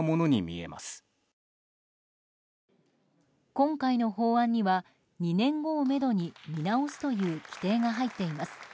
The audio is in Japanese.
今回の法案には２年後をめどに見直すという規定が入っています。